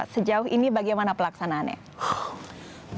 sejauh ini bagaimana pelaksanaannya